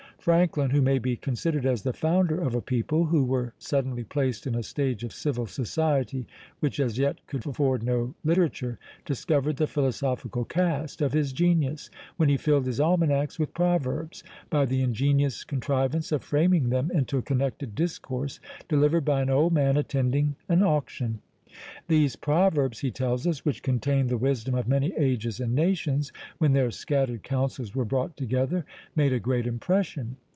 Franklin, who may be considered as the founder of a people who were suddenly placed in a stage of civil society which as yet could afford no literature, discovered the philosophical cast of his genius, when he filled his almanacs with proverbs, by the ingenious contrivance of framing them into a connected discourse, delivered by an old man attending an auction. "These proverbs," he tells us, "which contained the wisdom of many ages and nations, when their scattered counsels were brought together, made a great impression.